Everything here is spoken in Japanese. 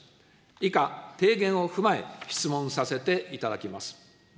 以下、提言を踏まえ、質問させていただきます。